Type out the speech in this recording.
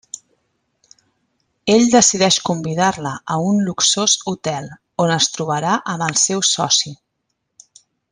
Ell decideix convidar-la a un luxós hotel, on es trobarà amb el seu soci.